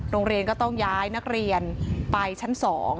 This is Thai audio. โรงเรียนก็ต้องย้ายนักเรียนไปชั้น๒